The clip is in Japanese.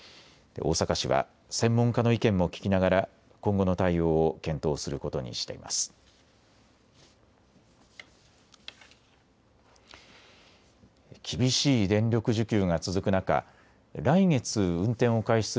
大阪市は専門家の意見も聞きながら今後の対応を検討することにしています。